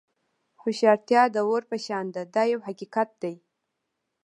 هوښیارتیا د اور په شان ده دا یو حقیقت دی.